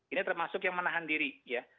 ini termasuk yang menahan diri ya